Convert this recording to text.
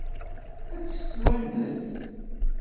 Ad tt-twanes?